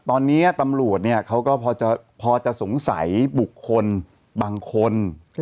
ตอนนี้ตำรวจเขาก็พอจะสงสัยบุคคลบางคน